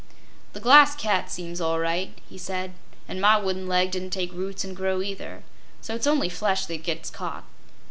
"The Glass Cat seems all right," he said, "an' my wooden leg didn't take roots and grow, either. So it's only flesh that gets caught."